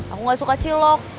aku gak suka cilok